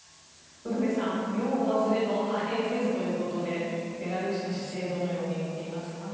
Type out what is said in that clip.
ウルヴェさん擁護はすれど派兵せずということでベラルーシの姿勢をどのように見ていますか？